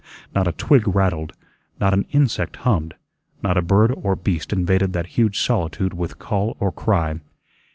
Not a twig rattled, not an insect hummed, not a bird or beast invaded that huge solitude with call or cry.